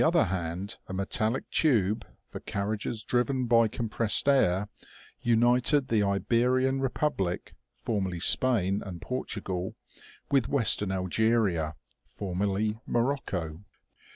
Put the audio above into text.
other hand a metallic tube, for carriages driven by com pressed air, united the Iberian republic, formerly Spain and Portugal, with western Algeria, formerly Morocco.